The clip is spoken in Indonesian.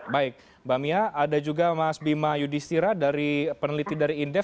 baik mbak mia ada juga mas bima yudhistira dari peneliti dari indef